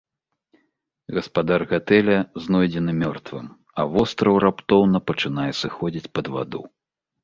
Гаспадар гатэля знойдзены мёртвым, а востраў раптоўна пачынае сыходзіць пад ваду.